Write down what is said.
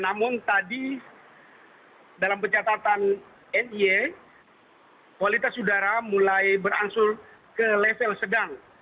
namun tadi dalam pencatatan nie kualitas udara mulai berangsur ke level sedang